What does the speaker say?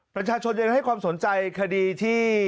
ประชาชนยังให้ความสนใจคดีที่